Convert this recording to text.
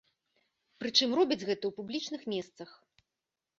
Прычым робяць гэта ў публічных месцах.